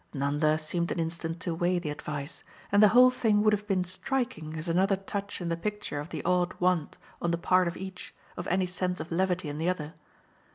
Nanda seemed an instant to weigh the advice, and the whole thing would have been striking as another touch in the picture of the odd want, on the part of each, of any sense of levity in the other.